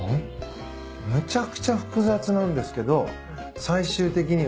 むちゃくちゃ複雑なんですけど最終的にはシンプル。